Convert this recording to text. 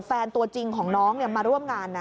ตัวจริงของน้องมาร่วมงานนะ